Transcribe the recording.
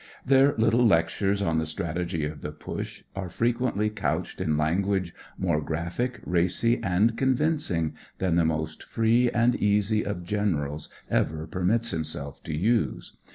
Their little lectures on the strategy of the Push are frequently couched in language more graphic, racy, and convincing than the most free and easy of Generals ever permits himself WHAT rrS LIKE IN THE PUSH 8 to use.